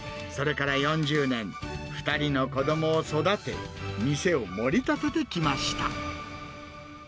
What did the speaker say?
それから４０年、２人の子どもを育て、店を盛り立ててきました。